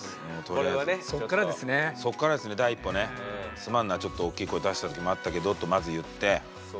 「すまんなちょっとおっきい声出した時もあったけど」ってまず言って。